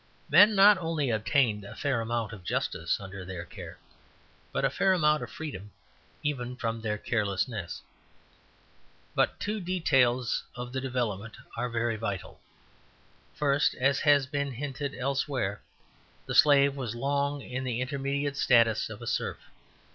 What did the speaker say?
Men not only obtained a fair amount of justice under their care, but a fair amount of freedom even from their carelessness. But two details of the development are very vital. First, as has been hinted elsewhere, the slave was long in the intermediate status of a serf.